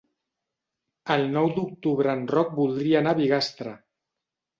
El nou d'octubre en Roc voldria anar a Bigastre.